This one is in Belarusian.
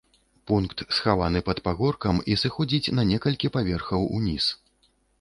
Пункт, схаваны пад пагоркам і сыходзіць на некалькі паверхаў уніз.